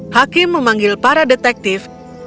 hakim memanggil para detektif